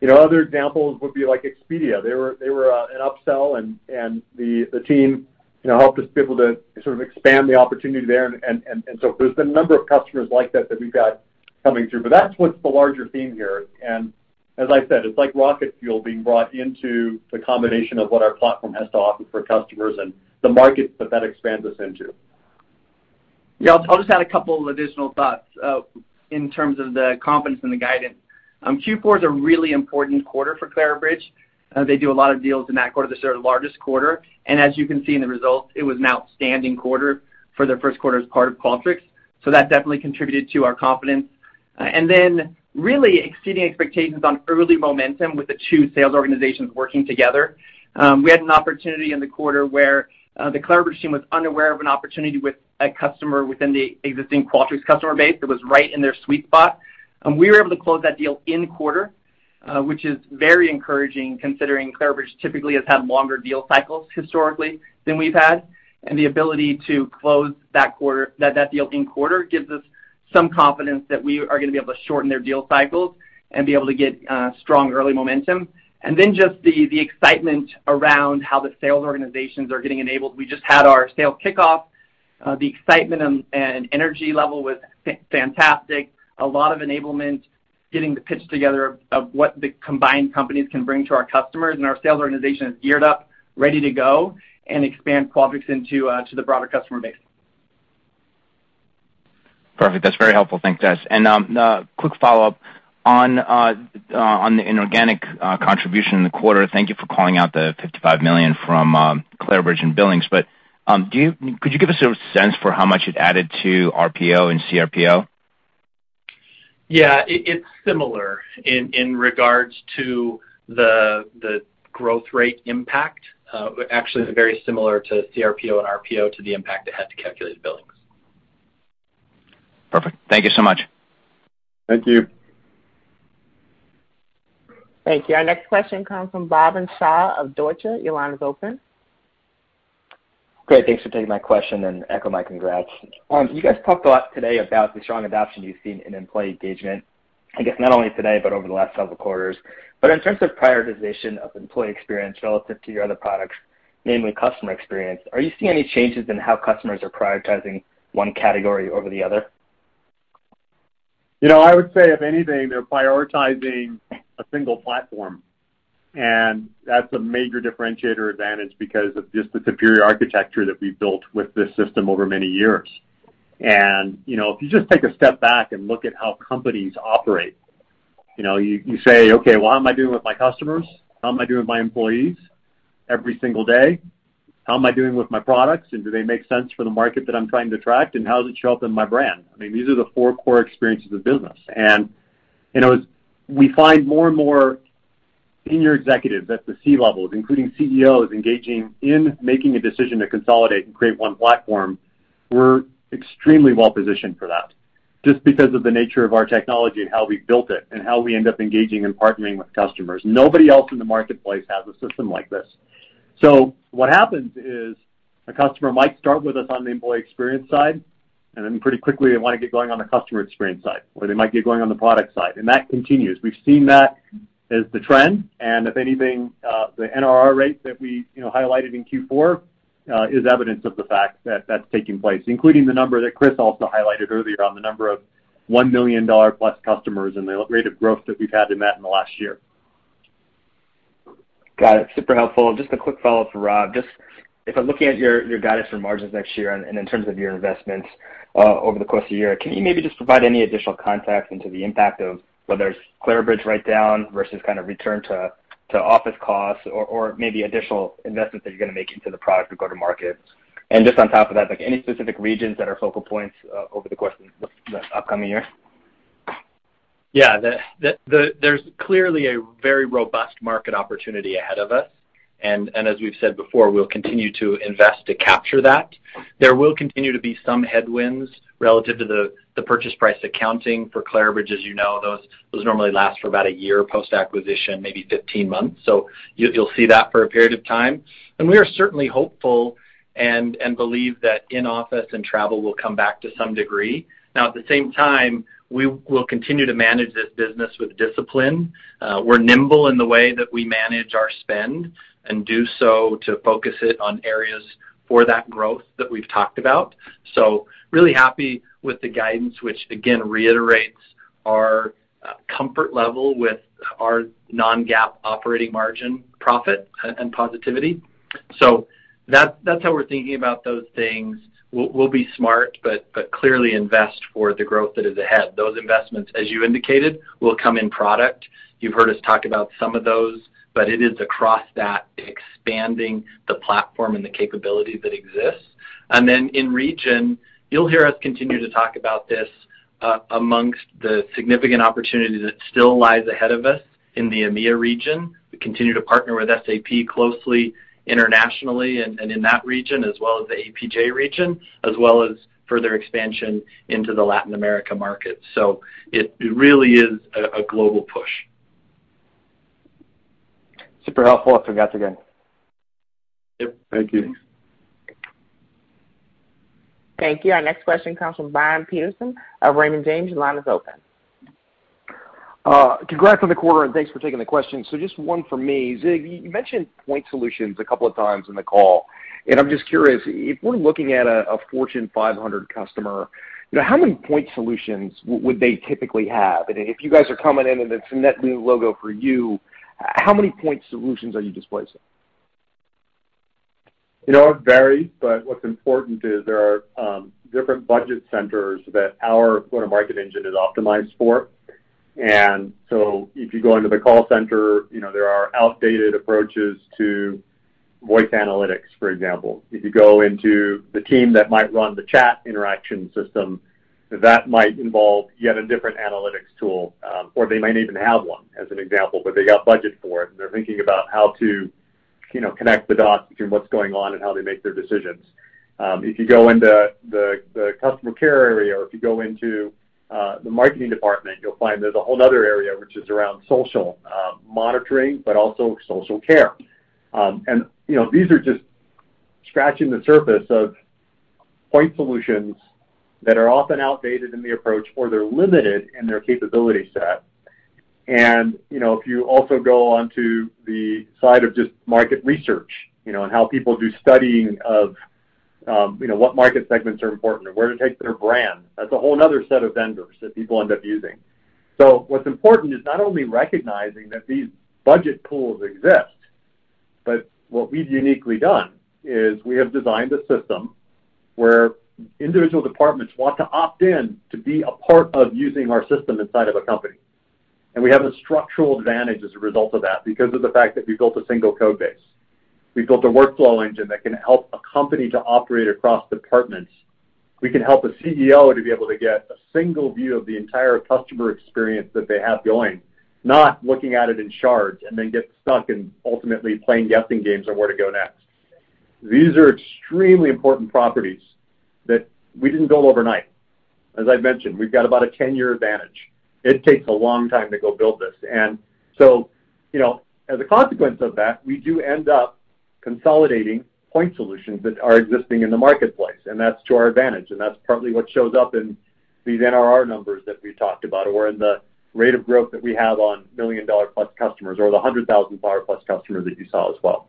You know, other examples would be like Expedia, they were an upsell, and the team, you know, helped us be able to sort of expand the opportunity there. There's been a number of customers like that we've got coming through. That's what's the larger theme here. As I said, it's like rocket fuel being brought into the combination of what our platform has to offer for customers and the markets that expands us into. Yeah, I'll just add a couple of additional thoughts in terms of the confidence in the guidance. Q4 is a really important quarter for Clarabridge. They do a lot of deals in that quarter. That's their largest quarter. As you can see in the results, it was an outstanding quarter for their first quarter as part of Qualtrics. That definitely contributed to our confidence. Then really exceeding expectations on early momentum with the two sales organizations working together. We had an opportunity in the quarter where the Clarabridge team was unaware of an opportunity with a customer within the existing Qualtrics customer base that was right in their sweet spot. We were able to close that deal in quarter, which is very encouraging considering Clarabridge typically has had longer deal cycles historically than we've had. The ability to close that deal in the quarter gives us some confidence that we are gonna be able to shorten their deal cycles and be able to get strong early momentum. Just the excitement around how the sales organizations are getting enabled. We just had our sales kickoff. The excitement and energy level was fantastic. A lot of enablement, getting the pitch together of what the combined companies can bring to our customers. Our sales organization is geared up, ready to go, and expand Qualtrics into the broader customer base. Perfect. That's very helpful. Thanks, guys. Quick follow-up on the inorganic contribution in the quarter. Thank you for calling out the $55 million from Clarabridge and billings. Could you give us a sense for how much it added to RPO and CRPO? It's similar in regards to the growth rate impact. Actually very similar to CRPO and RPO to the impact it had to calculated billings. Perfect. Thank you so much. Thank you. Thank you. Our next question comes from Bhavin Shah of Deutsche. Your line is open. Great. Thanks for taking my question and echo my congrats. You guys talked a lot today about the strong adoption you've seen in employee engagement. I guess not only today but over the last several quarters. In terms of prioritization of employee experience relative to your other products, namely customer experience, are you seeing any changes in how customers are prioritizing one category over the other? You know, I would say if anything, they're prioritizing a single platform, and that's a major differentiator advantage because of just the superior architecture that we've built with this system over many years. You know, if you just take a step back and look at how companies operate, you know, you say, "Okay, well, how am I doing with my customers? How am I doing with my employees every single day? How am I doing with my products, and do they make sense for the market that I'm trying to attract, and how does it show up in my brand?" I mean, these are the four core experiences of business. You know, as we find more and more senior executives at the C-levels, including CEOs, engaging in making a decision to consolidate and create one platform, we're extremely well-positioned for that just because of the nature of our technology and how we've built it and how we end up engaging and partnering with customers. Nobody else in the marketplace has a system like this. What happens is a customer might start with us on the employee experience side, and then pretty quickly they wanna get going on the customer experience side, or they might get going on the product side, and that continues. We've seen that as the trend, and if anything, the NRR rate that we, you know, highlighted in Q4 is evidence of the fact that that's taking place, including the number that Chris also highlighted earlier on of $1+ million customers and the rate of growth that we've had in that in the last year. Got it. Super helpful. Just a quick follow-up for Rob. Just if I'm looking at your guidance for margins next year and in terms of your investments over the course of the year, can you maybe just provide any additional context into the impact of whether it's Clarabridge write-down versus kind of return to office costs or maybe additional investments that you're gonna make into the product or go to market? Just on top of that, like any specific regions that are focal points over the course of the upcoming year? Yeah. There's clearly a very robust market opportunity ahead of us, and as we've said before, we'll continue to invest to capture that. There will continue to be some headwinds relative to the purchase price accounting for Clarabridge. As you know, those normally last for about one year post-acquisition, maybe 15 months. You'll see that for a period of time. We are certainly hopeful and believe that in-office and travel will come back to some degree. Now, at the same time, we will continue to manage this business with discipline. We're nimble in the way that we manage our spend and do so to focus it on areas for that growth that we've talked about. Really happy with the guidance, which again reiterates our comfort level with our non-GAAP operating margin profitability. That's how we're thinking about those things. We'll be smart, but clearly invest for the growth that is ahead. Those investments, as you indicated, will come in product. You've heard us talk about some of those, but it is across that expanding the platform and the capability that exists. Then in region, you'll hear us continue to talk about this, amongst the significant opportunities that still lies ahead of us in the EMEIA region. We continue to partner with SAP closely internationally and in that region as well as the APJ region, as well as further expansion into the Latin America market. It really is a global push. Super helpful, and congrats again. Yep. Thank you. Thank you. Our next question comes from Brian Peterson of Raymond James. Your line is open. Congrats on the quarter, and thanks for taking the question. Just one for me. Zig, you mentioned point solutions a couple of times in the call, and I'm just curious, if we're looking at a Fortune 500 customer, you know, how many point solutions would they typically have? And if you guys are coming in and it's a net new logo for you, how many point solutions are you displacing? You know, it varies, but what's important is there are different budget centers that our go-to-market engine is optimized for. If you go into the call center, you know, there are outdated approaches to voice analytics, for example. If you go into the team that might run the chat interaction system, that might involve yet a different analytics tool, or they might even have one, as an example, but they got budget for it, and they're thinking about how to, you know, connect the dots between what's going on and how they make their decisions. If you go into the customer care area or if you go into the marketing department, you'll find there's a whole nother area which is around social monitoring, but also social care. You know, these are just scratching the surface of point solutions that are often outdated in the approach, or they're limited in their capability set. You know, if you also go onto the side of just market research, you know, and how people do studying of, you know, what market segments are important and where to take their brand, that's a whole nother set of vendors that people end up using. What's important is not only recognizing that these budget pools exist, but what we've uniquely done is we have designed a system where individual departments want to opt in to be a part of using our system inside of a company. We have a structural advantage as a result of that because of the fact that we built a single code base. We built a workflow engine that can help a company to operate across departments. We can help a CEO to be able to get a single view of the entire customer experience that they have going, not looking at it in silos and then get stuck and ultimately playing guessing games on where to go next. These are extremely important properties that we didn't build overnight. As I've mentioned, we've got about a 10-year advantage. It takes a long time to go build this. You know, as a consequence of that, we do end up consolidating point solutions that are existing in the marketplace, and that's to our advantage. That's partly what shows up in these NRR numbers that we talked about or in the rate of growth that we have on $1+ million customers or the $100,000+ customers that you saw as well.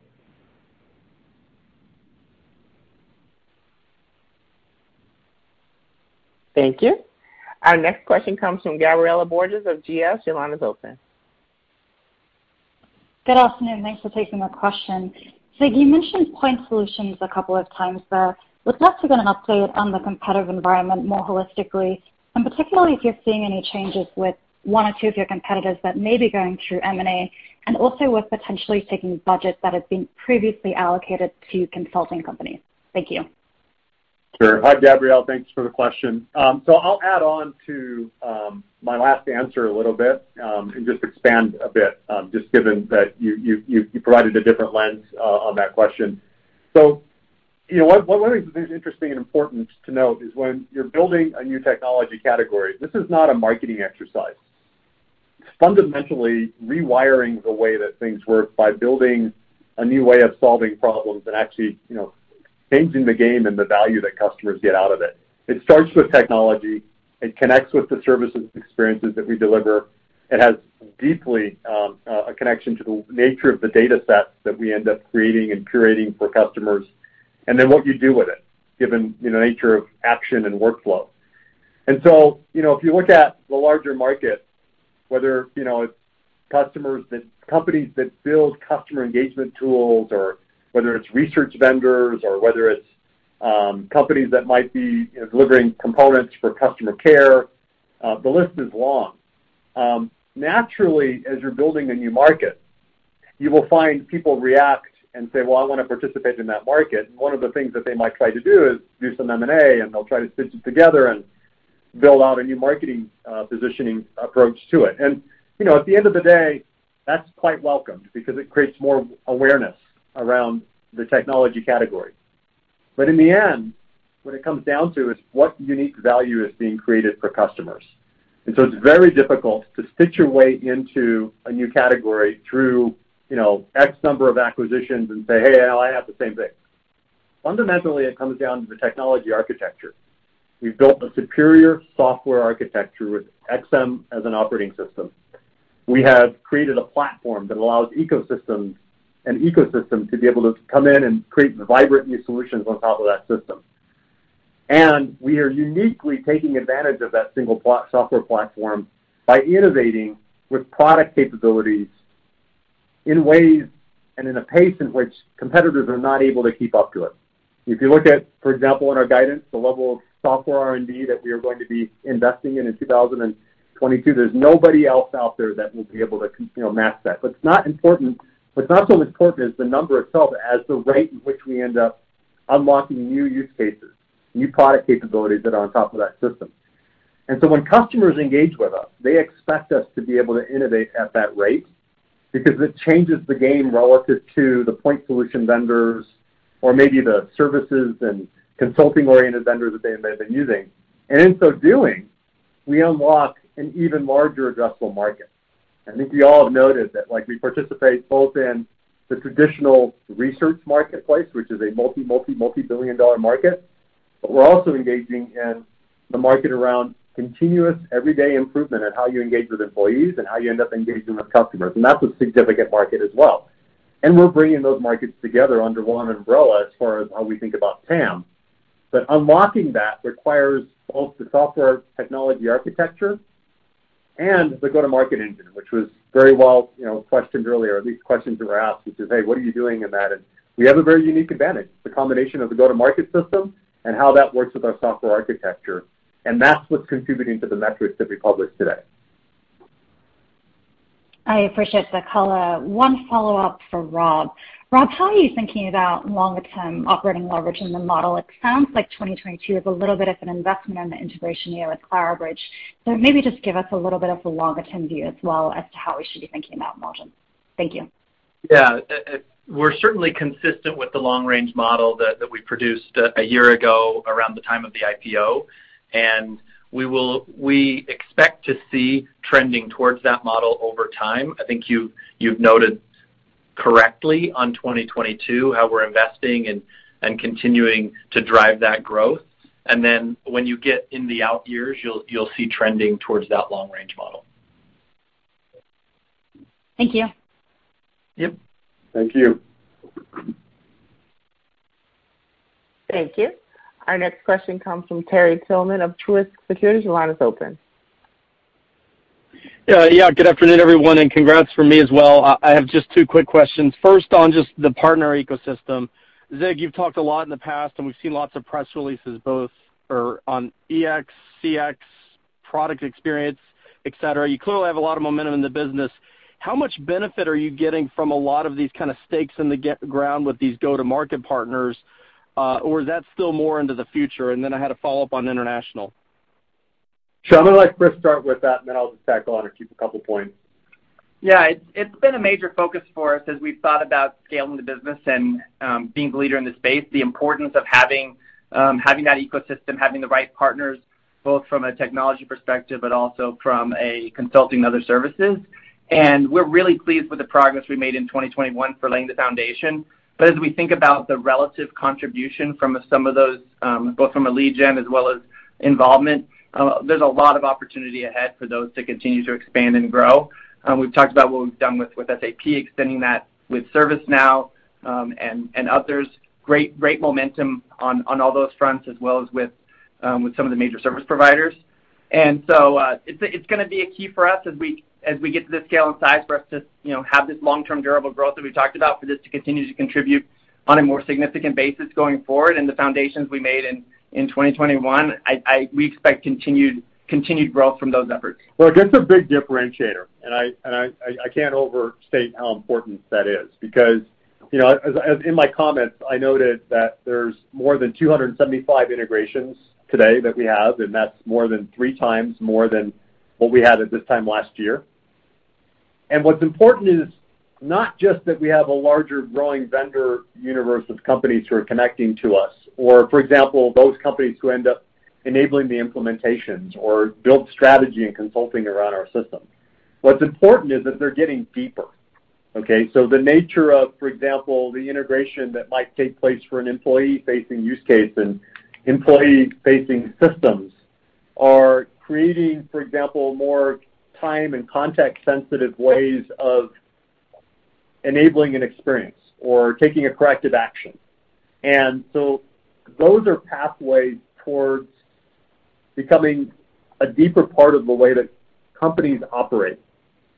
Thank you. Our next question comes from Gabriela Borges of GS. Your line is open. Good afternoon, thanks for taking my question. You mentioned point solutions a couple of times there. We were not given an update on the competitive environment more holistically, and particularly if you're seeing any changes with one or two of your competitors that may be going through M&A, and also with potentially taking budgets that have been previously allocated to consulting companies. Thank you. Sure. Hi, Gabriela. Thanks for the question. I'll add on to my last answer a little bit, and just expand a bit, just given that you provided a different lens on that question. You know, what is interesting and important to note is when you're building a new technology category, this is not a marketing exercise. It's fundamentally rewiring the way that things work by building a new way of solving problems and actually, you know, changing the game and the value that customers get out of it. It starts with technology. It connects with the services and experiences that we deliver. It has deep a connection to the nature of the data sets that we end up creating and curating for customers, and then what you do with it, given the nature of action and workflow. You know, if you look at the larger market, whether it's companies that build customer engagement tools or whether it's research vendors or whether it's companies that might be delivering components for customer care, the list is long. Naturally, as you're building a new market, you will find people react and say, "Well, I wanna participate in that market." One of the things that they might try to do is do some M&A, and they'll try to stitch it together and build out a new marketing positioning approach to it. You know, at the end of the day, that's quite welcomed because it creates more awareness around the technology category. In the end, what it comes down to is what unique value is being created for customers. It's very difficult to stitch your way into a new category through, you know, X number of acquisitions and say, "Hey, I have the same thing." Fundamentally, it comes down to the technology architecture. We've built a superior software architecture with XM as an operating system. We have created a platform that allows ecosystems and ecosystems to be able to come in and create vibrant new solutions on top of that system. We are uniquely taking advantage of that single software platform by innovating with product capabilities in ways and in a pace in which competitors are not able to keep up to it. If you look at, for example, in our guidance, the level of software R&D that we are going to be investing in in 2022, there's nobody else out there that will be able to, you know, match that. What's not so important is the number itself as the rate in which we end up unlocking new use cases, new product capabilities that are on top of that system. When customers engage with us, they expect us to be able to innovate at that rate because it changes the game relative to the point solution vendors or maybe the services and consulting-oriented vendors that they may have been using. In so doing, we unlock an even larger addressable market. I think we all have noted that like we participate both in the traditional research marketplace, which is a multi-billion-dollar market, but we're also engaging in the market around continuous everyday improvement at how you engage with employees and how you end up engaging with customers. That's a significant market as well. We're bringing those markets together under one umbrella as far as how we think about TAM. Unlocking that requires both the software technology architecture and the go-to-market engine, which was very well, you know, questioned earlier, at least questions that were asked, which is, "Hey, what are you doing in that?" We have a very unique advantage, the combination of the go-to-market system and how that works with our software architecture. That's what's contributing to the metrics that we published today. I appreciate the color. One follow-up for Rob. Rob, how are you thinking about longer-term operating leverage in the model? It sounds like 2022 is a little bit of an investment in the integration year with Clarabridge. Maybe just give us a little bit of the longer-term view as well as to how we should be thinking about margin. Thank you. We're certainly consistent with the long-range model that we produced a year ago around the time of the IPO, and we expect to see trending towards that model over time. I think you've noted correctly on 2022 how we're investing and continuing to drive that growth. Then when you get in the out years, you'll see trending towards that long-range model. Thank you. Yep. Thank you. Thank you. Our next question comes from Terry Tillman of Truist Securities. Your line is open. Yeah. Good afternoon, everyone, and congrats from me as well. I have just two quick questions. First, on just the partner ecosystem. Zig, you've talked a lot in the past, and we've seen lots of press releases both on EX, CX, product experience, etc. You clearly have a lot of momentum in the business. How much benefit are you getting from a lot of these kind of stakes in the ground with these go-to-market partners, or is that still more into the future? Then I had a follow-up on international. Sure. I'm gonna let Chris start with that, and then I'll just tack on or keep a couple points. Yeah. It's been a major focus for us as we've thought about scaling the business and being the leader in this space, the importance of having that ecosystem, having the right partners, both from a technology perspective but also from a consulting other services. We're really pleased with the progress we made in 2021 for laying the foundation. As we think about the relative contribution from some of those, both from a lead gen as well as involvement, there's a lot of opportunity ahead for those to continue to expand and grow. We've talked about what we've done with SAP, extending that with ServiceNow, and others. Great momentum on all those fronts, as well as with some of the major service providers. It's gonna be a key for us as we get to the scale and size for us to, you know, have this long-term durable growth that we talked about for this to continue to contribute on a more significant basis going forward. The foundations we made in 2021, we expect continued growth from those efforts. Well, that's a big differentiator, and I can't overstate how important that is because, you know, as in my comments, I noted that there's more than 275 integrations today that we have, and that's more than three times more than what we had at this time last year. What's important is not just that we have a larger growing vendor universe of companies who are connecting to us, or for example, those companies who end up enabling the implementations or build strategy and consulting around our system. What's important is that they're getting deeper, okay? The nature of, for example, the integration that might take place for an employee-facing use case and employee-facing systems are creating, for example, more time and contact-sensitive ways of enabling an experience or taking a corrective action. Those are pathways towards becoming a deeper part of the way that companies operate.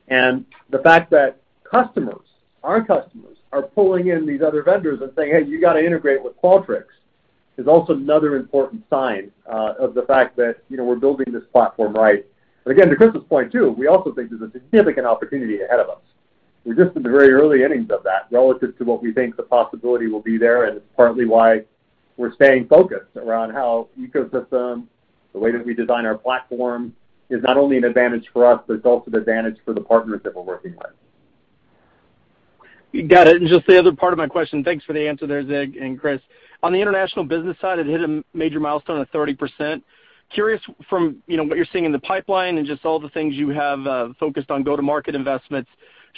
The fact that customers, our customers, are pulling in these other vendors and saying, "Hey, you got to integrate with Qualtrics," is also another important sign of the fact that, you know, we're building this platform right. Again, to Chris's point too, we also think there's a significant opportunity ahead of us. We're just in the very early innings of that relative to what we think the possibility will be there, and it's partly why we're staying focused around how ecosystem, the way that we design our platform is not only an advantage for us, but it's also the advantage for the partners that we're working with. Got it. Just the other part of my question, thanks for the answer there, Zig and Chris. On the international business side, it hit a major milestone of 30%. Curious from, you know, what you're seeing in the pipeline and just all the things you have focused on go-to-market investments.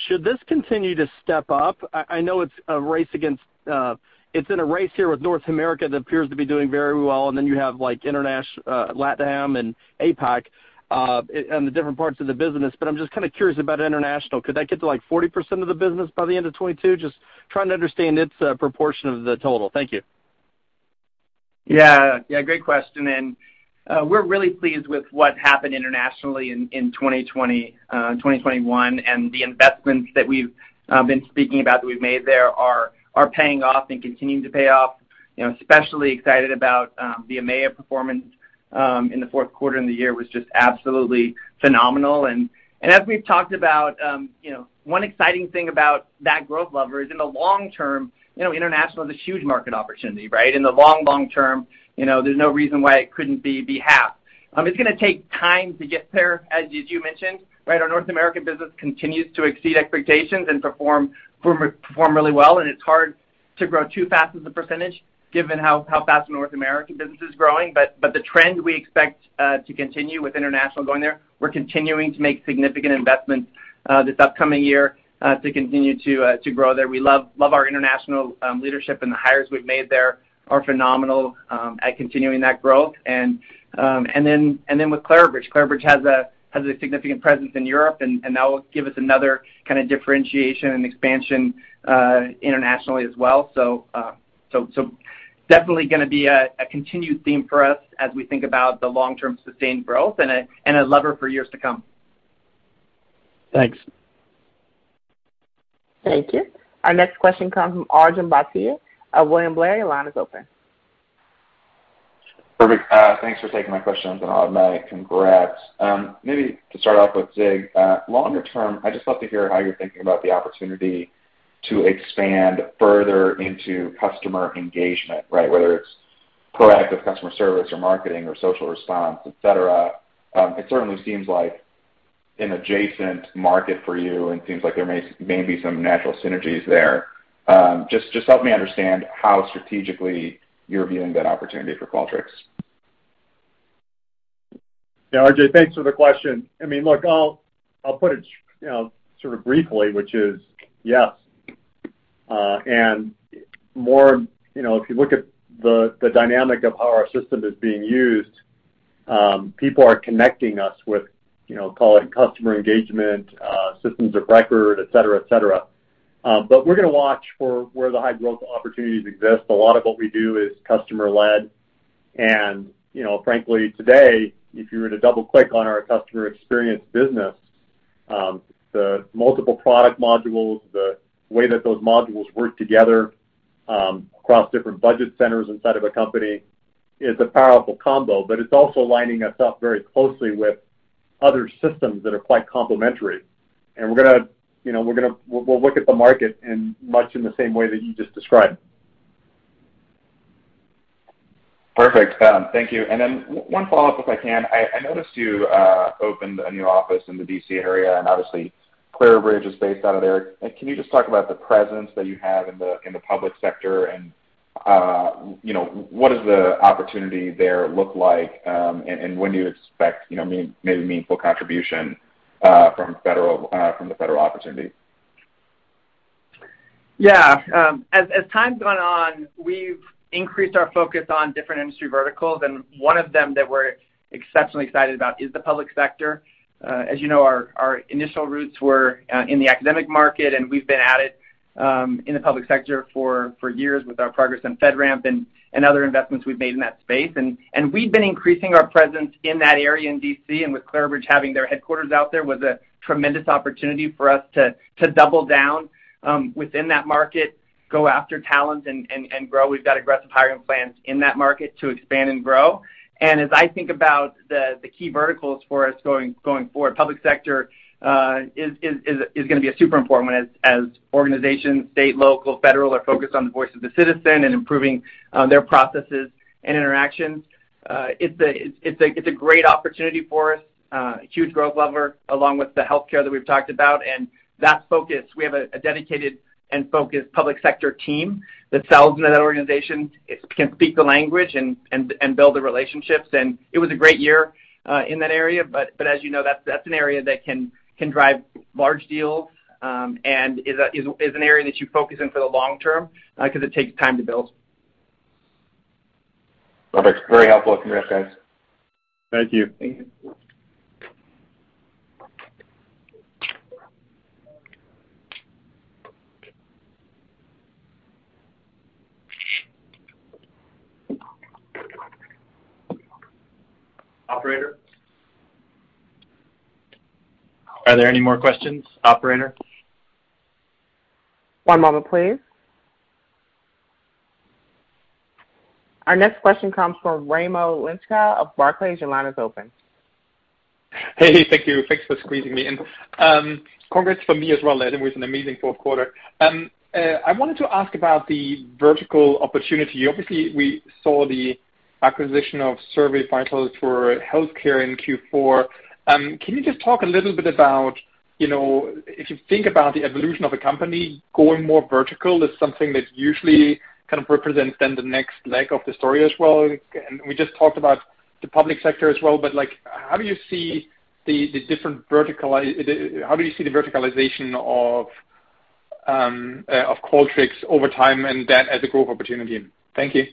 Should this continue to step up? I know it's in a race here with North America that appears to be doing very well, and then you have, like, LatAm and APAC and the different parts of the business. But I'm just kind of curious about international, could that get to, like, 40% of the business by the end of 2022? Just trying to understand its proportion of the total. Thank you. Yeah. Yeah, great question. We're really pleased with what happened internationally in 2020 and 2021, and the investments that we've been speaking about that we've made there are paying off and continuing to pay off. You know, especially excited about the EMEA performance in the fourth quarter and the year was just absolutely phenomenal. As we've talked about, you know, one exciting thing about that growth lever is in the long term, you know, international is a huge market opportunity, right? In the long term, you know, there's no reason why it couldn't be half. It's gonna take time to get there, as you mentioned, right? Our North American business continues to exceed expectations and perform really well, and it's hard to grow too fast as a percentage given how fast the North American business is growing. But the trend we expect to continue with international going there. We're continuing to make significant investments this upcoming year to continue to grow there. We love our international leadership, and the hires we've made there are phenomenal at continuing that growth. Then with Clarabridge. Clarabridge has a significant presence in Europe, and that will give us another kind of differentiation and expansion internationally as well. Definitely gonna be a continued theme for us as we think about the long-term sustained growth and a lever for years to come. Thanks. Thank you. Our next question comes from Arjun Bhatia of William Blair. Line is open. Perfect. Thanks for taking my questions. Automatic congrats. Maybe to start off with Zig, longer term, I'd just love to hear how you're thinking about the opportunity to expand further into customer engagement, right? Whether it's proactive customer service or marketing or social response, etc. Just help me understand how strategically you're viewing that opportunity for Qualtrics. Yeah, Arjun, thanks for the question. I mean, look, I'll put it, you know, sort of briefly, which is yes. More, you know, if you look at the dynamic of how our system is being used, people are connecting us with, you know, call it customer engagement, systems of record, etc, etc. We're gonna watch for where the high-growth opportunities exist. A lot of what we do is customer-led. You know, frankly, today, if you were to double-click on our customer experience business, the multiple product modules, the way that those modules work together, across different budget centers inside of a company is a powerful combo. It's also lining us up very closely with other systems that are quite complementary. We're gonna, you know, look at the market in much the same way that you just described. Perfect. Thank you. One follow-up, if I can. I noticed you opened a new office in the D.C. area, and obviously Clarabridge is based out of there. Can you just talk about the presence that you have in the public sector and you know, what is the opportunity there look like, and when do you expect, you know, I mean, maybe meaningful contribution from the federal opportunity? As time's gone on, we've increased our focus on different industry verticals, and one of them that we're exceptionally excited about is the public sector. As you know, our initial roots were in the academic market, and we've been at it in the public sector for years with our progress on FedRAMP and other investments we've made in that space. We've been increasing our presence in that area in D.C., and with Clarabridge having their headquarters out there was a tremendous opportunity for us to double down within that market, go after talent and grow. We've got aggressive hiring plans in that market to expand and grow. As I think about the key verticals for us going forward, public sector is gonna be a super important one as organizations, state, local, federal are focused on the voice of the citizen and improving their processes and interactions. It's a great opportunity for us, a huge growth lever along with the healthcare that we've talked about. That focus, we have a dedicated and focused public sector team that sells into that organization. It can speak the language and build the relationships. It was a great year in that area. As you know, that's an area that can drive large deals, and is an area that you focus in for the long term, 'cause it takes time to build. Perfect. Very helpful. Congrats, guys. Thank you. Thank you. Operator? Are there any more questions, operator? One moment, please. Our next question comes from Raimo Lenschow of Barclays. Your line is open. Hey. Thank you. Thanks for squeezing me in. Congrats from me as well. It was an amazing fourth quarter. I wanted to ask about the vertical opportunity. Obviously, we saw the acquisition of SurveyVitals for healthcare in Q4. Can you just talk a little bit about, you know, if you think about the evolution of a company going more vertical is something that usually kind of represents then the next leg of the story as well. We just talked about the public sector as well, but, like, how do you see the verticalization of Qualtrics over time and that as a growth opportunity? Thank you.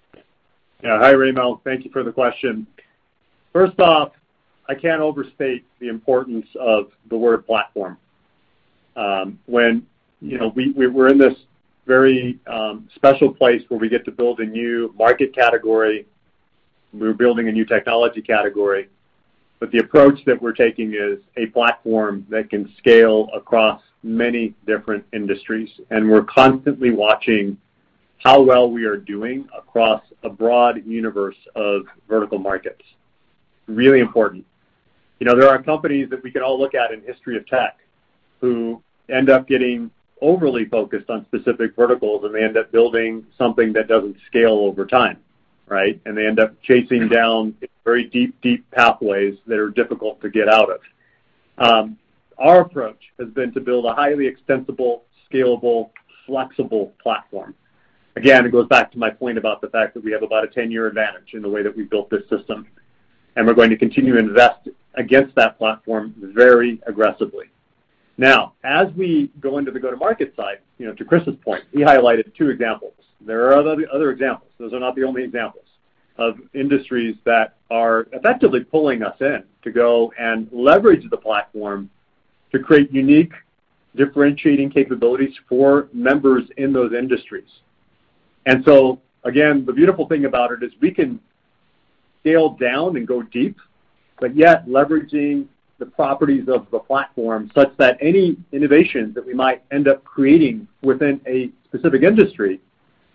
Yeah. Hi, Raimo. Thank you for the question. First off, I can't overstate the importance of the word platform. When, you know, we're in this very special place where we get to build a new market category, we're building a new technology category, but the approach that we're taking is a platform that can scale across many different industries, and we're constantly watching how well we are doing across a broad universe of vertical markets. Really important. You know, there are companies that we can all look at in history of tech who end up getting overly focused on specific verticals, and they end up building something that doesn't scale over time, right? They end up chasing down very deep pathways that are difficult to get out of. Our approach has been to build a highly extensible, scalable, flexible platform. Again, it goes back to my point about the fact that we have about a 10-year advantage in the way that we built this system, and we're going to continue to invest against that platform very aggressively. Now, as we go into the go-to-market side, you know, to Chris' point, he highlighted two examples. There are other examples, those are not the only examples, of industries that are effectively pulling us in to go and leverage the platform to create unique differentiating capabilities for members in those industries. Again, the beautiful thing about it is we can scale down and go deep, but yet leveraging the properties of the platform such that any innovation that we might end up creating within a specific industry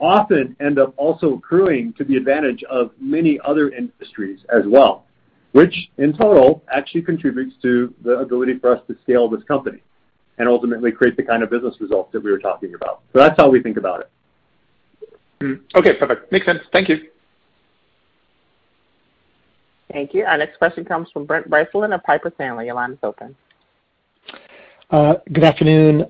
often end up also accruing to the advantage of many other industries as well, which in total actually contributes to the ability for us to scale this company and ultimately create the kind of business results that we were talking about. That's how we think about it. Okay. Perfect. Makes sense. Thank you. Thank you. Our next question comes from Brent Bracelin of Piper Sandler. Your line is open. Good afternoon.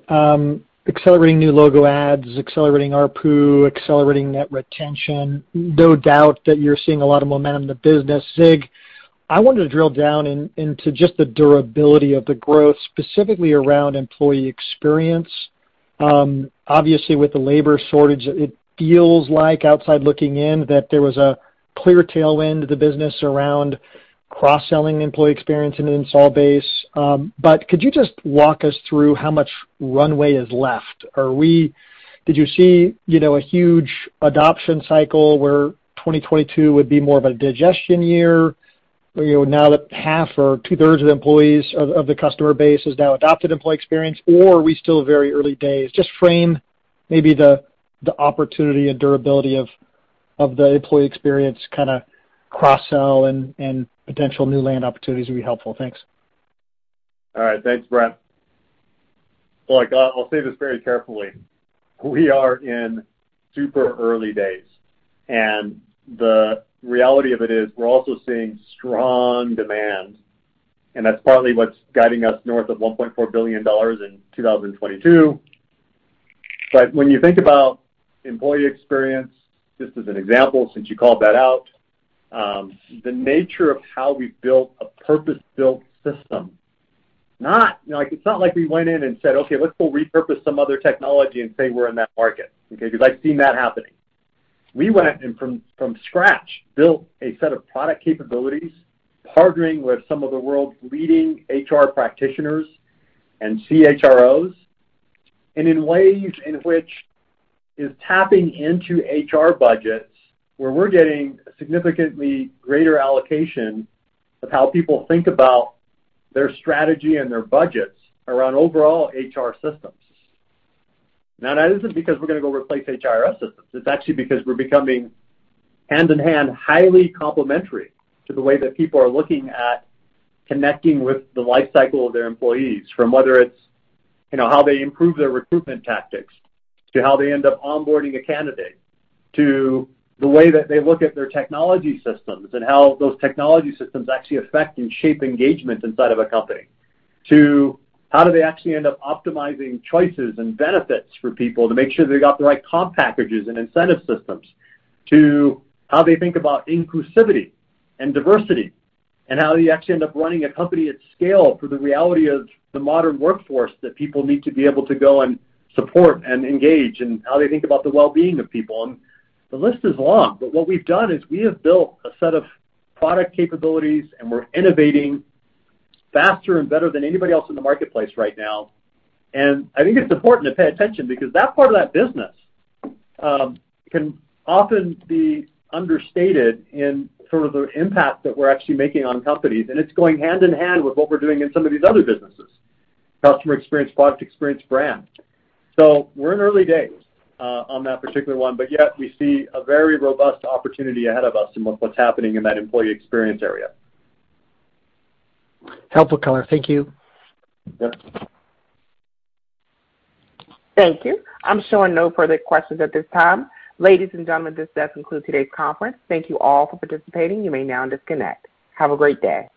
Accelerating new logo adds, accelerating ARPU, accelerating net retention, no doubt that you're seeing a lot of momentum in the business. Zig, I wanted to drill down into just the durability of the growth, specifically around employee experience. Obviously, with the labor shortage, it feels like outside looking in that there was a clear tailwind to the business around cross-selling employee experience in an installed base. Could you just walk us through how much runway is left? Did you see, you know, a huge adoption cycle where 2022 would be more of a digestion year, you know, now that half or 2/3 of the employees of the customer base has now adopted employee experience, or are we still very early days? Just frame maybe the opportunity and durability of the employee experience kinda cross-sell and potential new land opportunities would be helpful. Thanks. All right. Thanks, Brent. Look, I'll say this very carefully. We are in super early days, and the reality of it is we're also seeing strong demand. That's partly what's guiding us north of $1.4 billion in 2022. But when you think about employee experience, just as an example, since you called that out, the nature of how we built a purpose-built system, not like, it's not like we went in and said, "Okay, let's go repurpose some other technology and say we're in that market." Okay? Because I've seen that happening. We went in from scratch, built a set of product capabilities, partnering with some of the world's leading HR practitioners and CHROs, and in ways in which is tapping into HR budgets, where we're getting significantly greater allocation of how people think about their strategy and their budgets around overall HR systems. Now, that isn't because we're gonna go replace HR systems. It's actually because we're becoming hand-in-hand, highly complementary to the way that people are looking at connecting with the life cycle of their employees from whether it's, you know, how they improve their recruitment tactics to how they end up onboarding a candidate to the way that they look at their technology systems and how those technology systems actually affect and shape engagement inside of a company to how do they actually end up optimizing choices and benefits for people to make sure they got the right comp packages and incentive systems to how they think about inclusivity and diversity and how you actually end up running a company at scale for the reality of the modern workforce that people need to be able to go and support and engage in how they think about the well-being of people. The list is long, but what we've done is we have built a set of product capabilities, and we're innovating faster and better than anybody else in the marketplace right now. I think it's important to pay attention because that part of that business can often be understated in sort of the impact that we're actually making on companies. It's going hand-in-hand with what we're doing in some of these other businesses, customer experience, product experience, brand. We're in early days on that particular one, but yet we see a very robust opportunity ahead of us in what's happening in that employee experience area. Helpful color. Thank you. Yep. Thank you. I'm showing no further questions at this time. Ladies and gentlemen, this does conclude today's conference. Thank you all for participating. You may now disconnect. Have a great day.